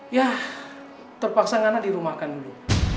ya terpaksa ngana dirumahkan dulu